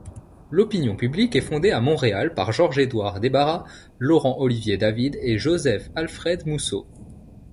L'Opinion publique est fondé à Montréal par George-Édouard Desbarats, Laurent-Olivier David, et Joseph-Alfred Mousseau.